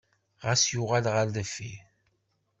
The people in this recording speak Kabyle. Ɣas uɣal ɣer deffir.